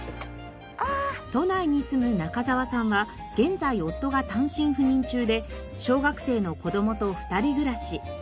都内に住む中澤さんは現在夫が単身赴任中で小学生の子供と２人暮らし。